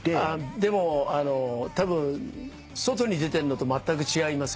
でもたぶん外に出てるのとまったく違います。